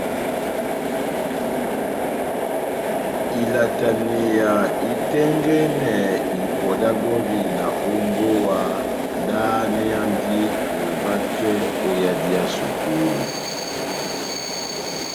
Ilataneya itɛ́ngɛ́nɛ ipɔ dá gɔvina ó mbówa dáháneyandi vakɛ ó yadi yá sukulu.